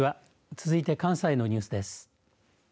続いて関西のニュースです。